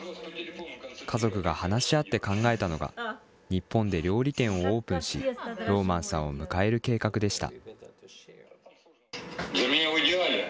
家族が話し合って考えたのが、日本で料理店をオープンし、ローマンさんを迎える計画でした。